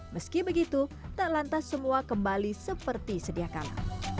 meski begitu tak lantas semua kembali seperti sediakala